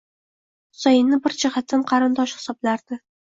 Husayinni bir jihatdan qarindosh hisoblardi.